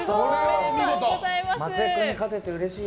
お見事！